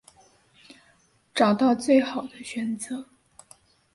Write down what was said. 找到最好的选择